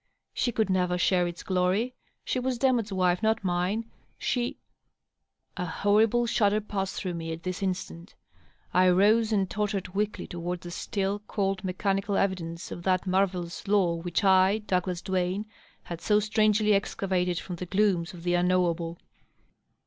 She could never share ita glory. She was Demotte's wife, not mine. She A horrible shudder passed through me at this instant. I rose and tottered weakly toward the still, cold, mechanical evidence of that mar vellous law which I, Douglas Duane, had so strangely excavated from the glooms of the unknowable.